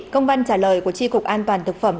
công văn trả lời của tri cục an toàn thực phẩm